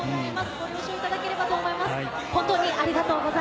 ご了承いただければと思います。